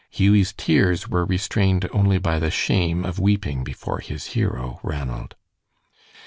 Hughie's tears were restrained only by the shame of weeping before his hero, Ranald.